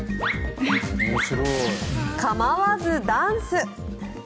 構わずダンス。